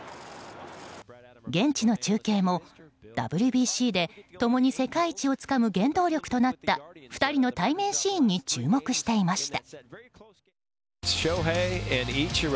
現地の中継も、ＷＢＣで共に世界一をつかむ原動力となった２人の対面シーンに注目していました。